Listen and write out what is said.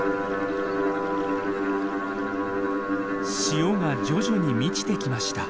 潮が徐々に満ちてきました。